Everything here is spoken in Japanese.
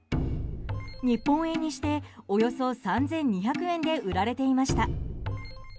日本円にしておよそ３２００円で売られていました。